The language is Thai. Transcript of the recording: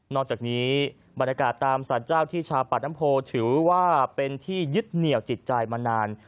อกจากนี้บรรยากาศตามสารเจ้าที่ชาวปากน้ำโพถือว่าเป็นที่ยึดเหนี่ยวจิตใจมานาน